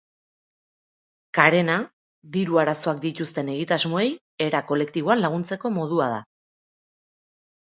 Karena diru arazoak dituzten egitasmoei era kolektiboan laguntzeko modua da.